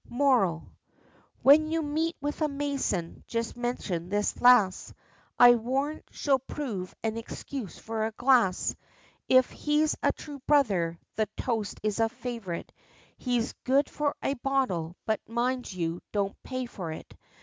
Moral. When you meet with a mason, just mention this lass; I warrant she'll prove an excuse for a glass! If he's a true brother, the toast is a favourite, He's good for a bottle, but mind you don't pay for it!